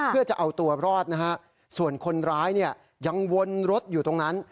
เพื่อจะเอาตัวรอดส่วนคนร้ายยังวนรถอยู่ตรงนั้น